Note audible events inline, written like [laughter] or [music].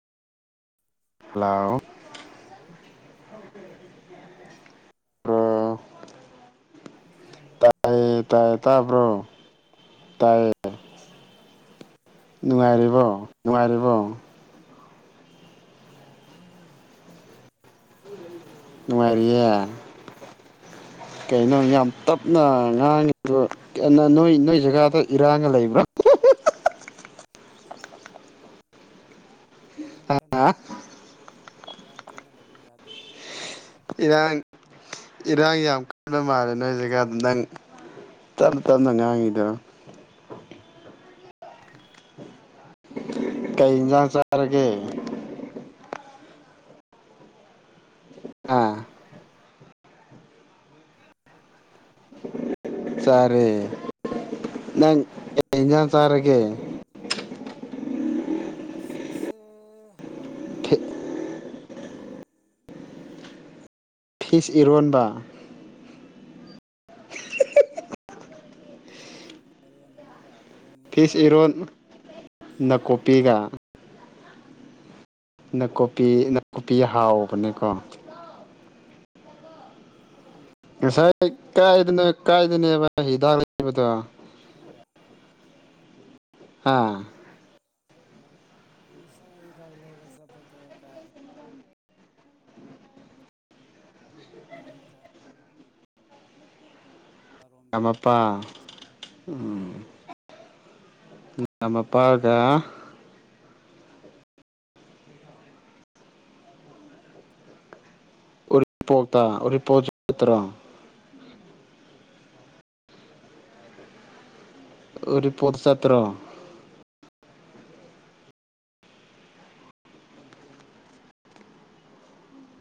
hello hello hello bro ꯇꯥꯏꯌꯦ ꯇꯥꯏꯌꯦ ꯇꯥꯕ꯭ꯔꯣ ꯇꯥꯏꯌꯦ ꯇꯥꯏꯌꯦ ꯅꯨꯡꯉꯥꯏꯔꯤꯕꯣ ꯅꯨꯡꯉꯥꯏꯔꯤꯕꯣ ꯅꯨꯉꯥꯏꯔꯤꯌꯦ ꯅꯨꯡꯉꯥꯏꯔꯤꯌꯦ ꯍꯣꯏ ꯀꯩꯅꯣ ꯌꯥꯝ ꯇꯞ ꯅꯥ ꯉꯥꯡꯉꯤꯗꯣ ꯅꯣꯏ ꯅꯣꯏ ꯖꯥꯒꯥꯗ ꯏꯔꯥꯡꯒꯥ ꯂꯩꯕ꯭ꯔꯥ ꯏꯔꯥꯡ ꯀꯟꯅꯥ ꯂꯩ ꯏꯔꯥꯡ ꯀꯟꯅꯥ ꯂꯩꯌꯦ ꯌꯥꯗꯦ ꯏꯔꯥꯡ ꯏꯔꯥꯡ ꯌꯥꯝ ꯀꯟꯕꯥ ꯃꯥꯜꯂꯦ ꯅꯣꯏ ꯖꯥꯒꯥꯗꯣ ꯅꯪ ꯇꯞꯅꯥ ꯇꯞꯅꯥ ꯉꯥꯡꯉꯤꯗꯣ ꯀꯩ ꯏꯟꯖꯥꯡ ꯆꯥꯔꯒꯦ ꯑꯥ [unintelligible] ꯆꯥꯔꯦ ꯅꯪ ꯀꯩ ꯌꯦꯟꯖꯥꯡ ꯆꯥꯔꯒꯦ ꯉꯁꯤꯁꯦ ꯀꯩꯅꯣ ꯐꯤꯁ ꯏꯔꯣꯟꯕꯥ ꯅꯪ ꯉꯥꯁꯥꯏ ꯑꯩꯅꯥ ꯃꯥꯏꯔꯦꯟ ꯑꯃꯥꯒꯥ ꯐꯤꯁ ꯏꯔꯣꯟ ꯅꯥꯀꯨꯞꯄꯤꯒ ꯅꯥꯀꯨꯞꯄꯤ ꯅꯥꯀꯨꯞꯄꯤ ꯍꯥꯎꯕꯅꯦꯀꯣ ꯉꯁꯥꯏ ꯀꯥꯏꯗꯅꯣ ꯀꯥꯏꯗꯅꯦꯕ ꯍꯤꯗꯥꯛ ꯂꯩꯕꯗꯣ [unintelligible] ꯍꯥ ꯑꯁ ꯉꯁꯥꯢ ꯍꯤꯗꯥꯛ ꯂꯩꯕ ꯆꯠꯕꯗꯣ ꯀꯥꯢꯗꯅꯣ ꯀ ꯀꯥꯏ [unintelligible] ꯔꯣꯝꯗꯅꯤ ꯀꯃꯅ [unintelligible] ꯄꯥ ꯎꯝ ꯃꯄꯥꯒ ꯎꯔꯤꯄꯣꯛꯇ ꯎꯔꯤꯄꯣꯠ [unintelligible] ꯇ꯭ꯔꯣ ꯎꯔꯤꯄꯣꯛ ꯆꯠꯇꯔꯣ